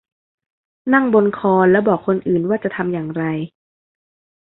นั่งบนคอนแล้วบอกคนอื่นว่าจะทำอย่างไร